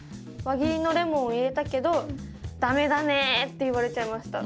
輪切りのレモンを入れたけどダメダメって言われちゃいました。